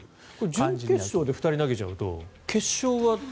準決勝で２人投げちゃうと決勝は。